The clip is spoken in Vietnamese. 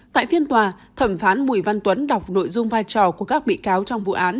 tại phiên tòa thẩm phán bùi văn tuấn đọc nội dung vai trò của các bị cáo trong vụ án